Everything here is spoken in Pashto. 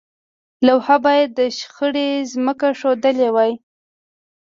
لوحه باید د شخړې ځمکه ښودلې وي.